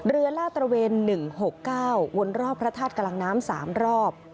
ลาดตระเวน๑๖๙วนรอบพระธาตุกลางน้ำ๓รอบ